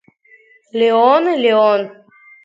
Леон, Леон!